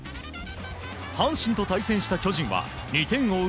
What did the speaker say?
阪神と対戦した巨人は２点を追う